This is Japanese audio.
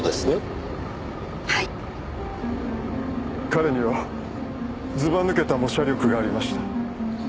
彼にはずば抜けた模写力がありました。